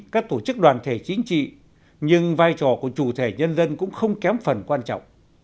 các tổ chức đoàn thể chính trị nhưng vai trò của chủ thể nhân dân cũng không kém phần quan trọng